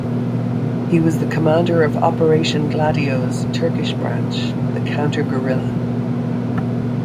He was the commander of Operation Gladio's Turkish branch; the Counter-Guerrilla.